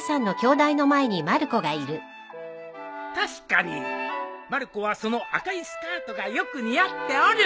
確かにまる子はその赤いスカートがよく似合っておる。